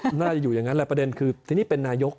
มันน่าจะอยู่อย่างนั้นแหละประเด็นคือทีนี้เป็นนายก